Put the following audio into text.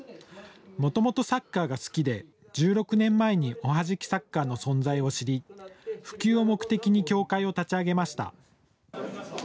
もともとサッカーが好きで１６年前におはじきサッカーの存在を知り普及を目的に協会を立ち上げました。